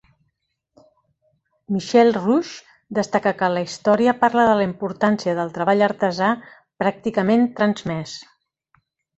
Michel Rouche destaca que la història parla de la importància del treball artesà pràcticament transmès.